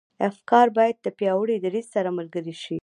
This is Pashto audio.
افکار بايد له پياوړي دريځ سره ملګري شي.